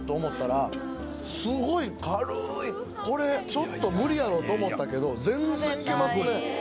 これちょっと無理やろと思ったけど全然いけますね